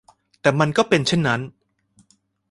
แต่มันก็เป็นเช่นนั้น